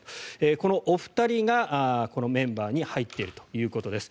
このお二人がこのメンバーに入っているということです。